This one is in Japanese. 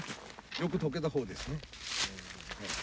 よく溶けた方ですね。